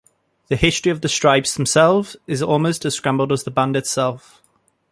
The history of the stripes themselves is almost as scrambled as the band itself.